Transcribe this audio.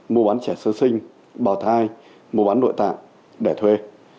mua bán trẻ sơ sinh bào thai mua bán nội tạng để thuê